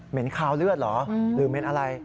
คาวเลือดเหรอหรือเหม็นอะไร